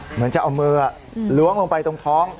เหมือนจะเอามือล้วงลงไปตรงท้อง